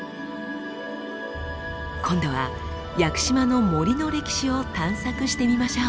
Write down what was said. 今度は屋久島の森の歴史を探索してみましょう。